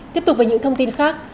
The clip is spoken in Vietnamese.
tiếp tục với những thông tin khác